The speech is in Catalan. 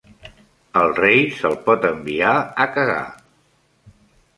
Al Rei se'l pot enviar a cagar.